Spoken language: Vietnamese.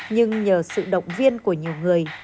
nhưng nhờ sự động viên của nhiều người